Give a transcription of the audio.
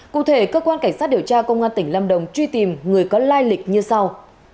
cụ thể cơ quan cảnh sát điều tra công an tỉnh lâm đồng truy tìm người có lai lịch như sau